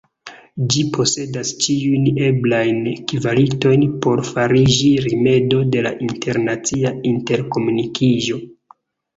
Ĝi posedas ĉiujn eblajn kvalitojn por fariĝi rimedo de la internacia interkomunikiĝo.